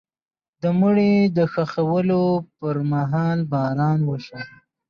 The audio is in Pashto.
د مړي د ښخولو پر مهال باران وشو.